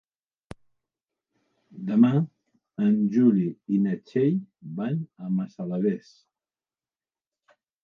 Demà en Juli i na Txell van a Massalavés.